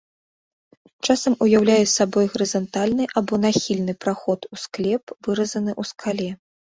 Часам уяўляе сабой гарызантальны або нахільны праход у склеп, выразаны ў скале.